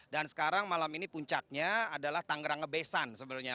dan sekarang malam ini puncatnya adalah tangerang ngebesan sebenarnya